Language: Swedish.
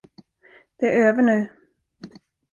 Det är över nu.